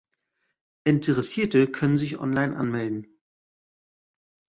Interessierte können sich online anmelden.